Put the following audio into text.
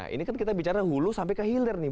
ini kan kita bicara hulu sampai ke hilir nih